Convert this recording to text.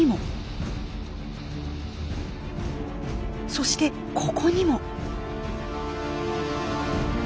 そしてここにも。